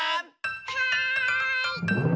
はい！